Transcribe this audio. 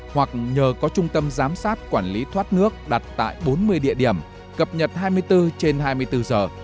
hoặc nhờ có trung tâm giám sát quản lý thoát nước đặt tại bốn mươi địa điểm cập nhật hai mươi bốn trên hai mươi bốn giờ